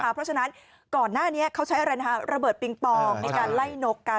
เพราะฉะนั้นก่อนหน้านี้เขาใช้อะไรนะฮะระเบิดปิงปองในการไล่นกกัน